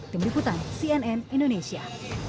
tim liputan cnn indonesia